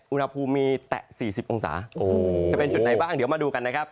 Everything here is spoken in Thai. อุณหภูมิมีแตะ๔๐องศาจะเป็นจุดไหนบ้างเดี๋ยวมาดูกันนะครับ